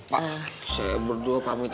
pak saya berdua pamit